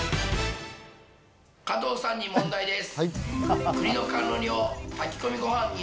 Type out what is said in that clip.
加藤さんに問題です。